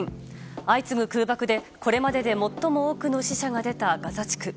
相次ぐ空爆でこれまでで最も多くの死者が出たガザ地区。